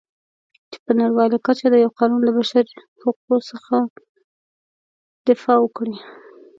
چې په نړیواله کچه یو قانون د بشرحقوقو څخه دفاع وکړي.